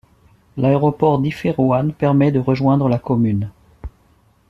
L'aéroport d'Iférouane permet de rejoindre la commune.